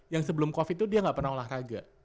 yang sebelum covid itu dia nggak pernah olahraga